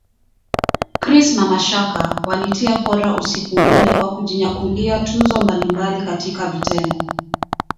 Chris na Mashaka walitia fora usiku ule kwa kujinyakulia tuzo mbalimbali katika vitengo